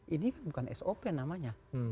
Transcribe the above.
ini bukan sop namanya